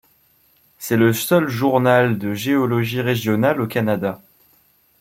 C'est le seul journal de géologie régionale au Canada.